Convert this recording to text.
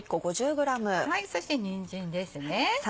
そしてにんじんです。